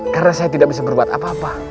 karena saya tidak bisa berbuat apa apa